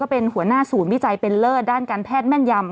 เป็นหัวหน้าศูนย์วิจัยเป็นเลิศด้านการแพทย์แม่นยำ